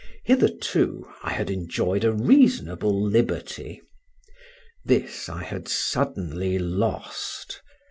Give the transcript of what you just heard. Hitherto I had enjoyed a reasonable liberty; this I had suddenly lost.